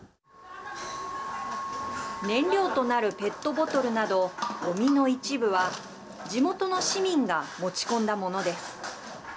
燃料となるペットボトルなどごみの一部は地元の市民が持ち込んだものです。